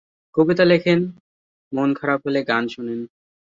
কবিতা লেখেন, মন খারাপ হলে গান শোনেন।